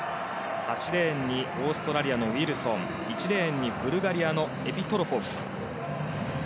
８レーンにオーストラリアのウィルソン１レーンにブルガリアのエピトロポフ。